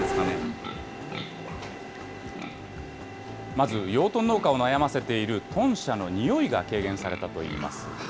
まず養豚農家を悩ませている、豚舎の臭いが軽減されたといいます。